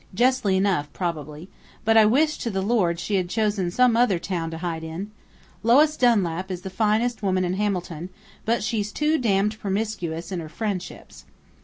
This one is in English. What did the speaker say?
Justly enough, probably, but I wish to the Lord she had chosen some other town to hide in. Lois Dunlap is the finest woman in Hamilton, but she's too damned promiscuous in her friendships.